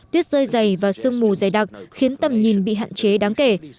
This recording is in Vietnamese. tuyết rơi dày và sương mù dày đặc khiến tầm nhìn bị hạn chế đáng kể